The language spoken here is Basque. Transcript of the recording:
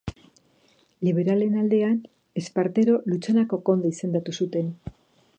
Liberalen aldean, Espartero Lutxanako Konde izendatu zuten.